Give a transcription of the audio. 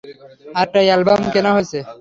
আরেকটা অ্যালবাম কেনা হয়েছে!